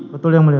betul yang mulia